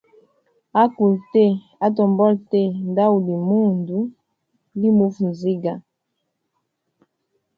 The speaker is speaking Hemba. Akulu tee, atombola tee, ndauli mundu limufaa nziga.